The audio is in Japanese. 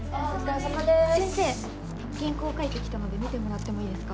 先生原稿描いてきたので見てもらってもいいですか？